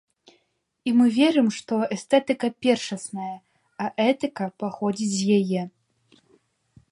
І мы верым, што эстэтыка першасная, а этыка паходзіць з яе.